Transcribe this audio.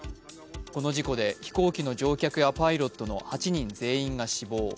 この事故で飛行機の乗客やパイロットの８人全員が死亡。